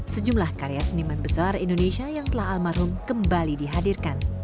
sejumlah karya seniman besar indonesia yang telah almarhum kembali dihadirkan